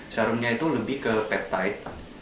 serumnya itu lebih ke peptide